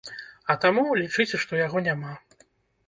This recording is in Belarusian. А таму, лічыце, што яго няма.